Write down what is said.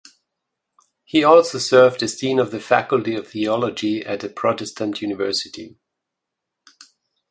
He also served as dean of the Faculty of Theology at the Protestant University.